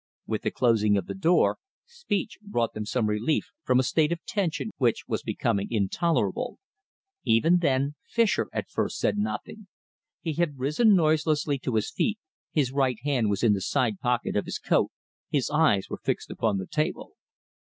With the closing of the door, speech brought them some relief from a state of tension which was becoming intolerable. Even then Fischer at first said nothing. He had risen noiselessly to his feet, his right hand was in the sidepocket of his coat, his eyes were fixed upon the table.